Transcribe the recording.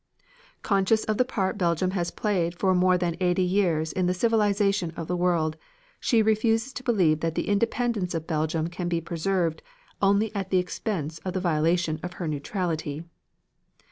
Conscious of the part Belgium has played for more than eighty years in the civilization of the world, she refuses to believe that the independence of Belgium can be preserved only at the expense of the violation of her neutrality.